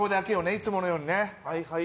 いつものように。